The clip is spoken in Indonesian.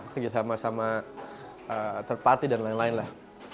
kegiatan sama sama third party dan lain lain lah